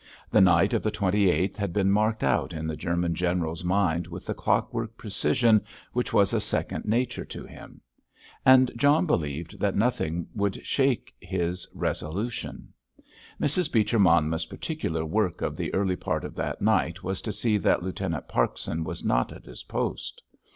The night of the twenty eighth had been marked out in the German general's mind with the clockwork precision which was a second nature to him. And John believed that nothing would shake his resolution. Mrs. Beecher Monmouth's particular work of the early part of that night was to see that Lieutenant Parkson was not at his post.